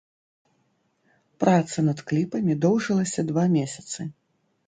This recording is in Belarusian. Праца над кліпамі доўжылася два месяцы.